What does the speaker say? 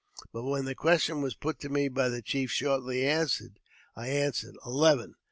But when the question was put to me by the chief shortly after, I answered " Eleven.'